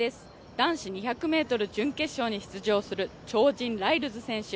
男子２００ｍ準決勝に出場する超人ライルズ選手。